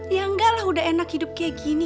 ya enggak lah udah enak hidup kayak gini